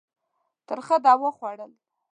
ترخه دوا خوړل.